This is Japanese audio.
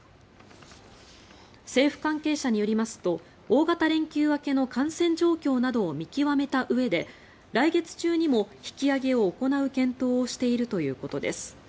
政府関係者によりますと大型連休明けの感染状況などを見極めたうえで来月中にも引き上げを行う検討をしているということです。